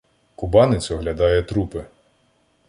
Кубанець оглядає трупи: